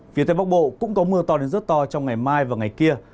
phía tây bắc bộ cũng có mưa to đến rất to trong ngày mai và ngày kia